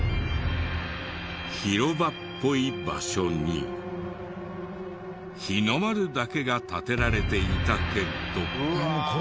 広場っぽい場所に日の丸だけが立てられていたけど。